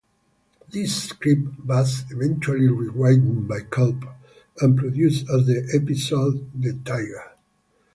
This script was eventually rewritten by Culp and produced as the episode The Tiger.